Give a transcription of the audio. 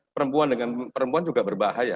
perempuan dengan perempuan juga berbahaya